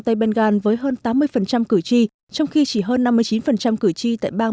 các nghe nhận tại bang tây bengal với hơn tám mươi cử tri trong khi chỉ hơn năm mươi chín cử tri tại bang